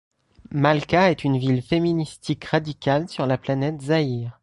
Malka est une ville féministique radicale sur la planète Zahir.